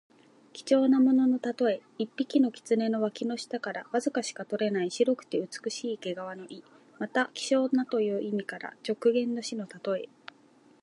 貴重なもののたとえ。一匹の狐の脇の下からわずかしか取れない白くて美しい毛皮の意。また、希少なという意から直言の士のたとえ。